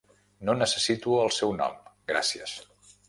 No necessito el seu nom, gràcies.